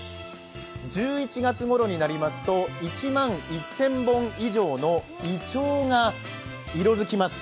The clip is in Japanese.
１１月ごろになりますと１万１０００本以上のいちょうが色づきます。